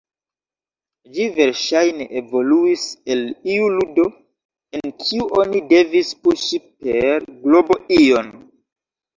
Ĝi verŝajne evoluis el iu ludo, en kiu oni devis puŝi per globo ion.